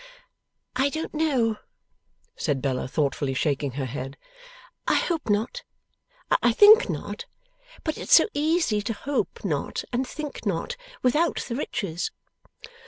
'I don't know,' said Bella, thoughtfully shaking her head. 'I hope not. I think not. But it's so easy to hope not and think not, without the riches.